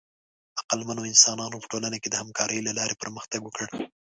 عقلمنو انسانانو په ټولنه کې د همکارۍ له لارې پرمختګ وکړ.